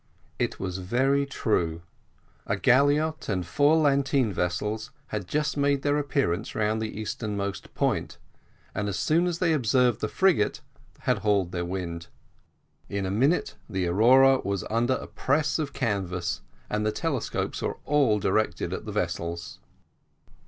It was very true; a galliot and four lateen vessels had just made their appearance round the easternmost point, and, as soon as they observed the frigate, had hauled their wind. In a minute the Aurora was under a press of canvas, and the telescopes were all directed to the vessels.